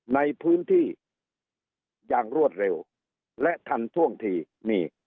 ในพื้นที่อย่างรวดเร็วและทันท่วงทีนี่